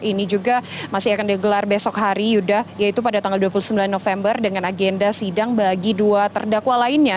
ini juga masih akan digelar besok hari yuda yaitu pada tanggal dua puluh sembilan november dengan agenda sidang bagi dua terdakwa lainnya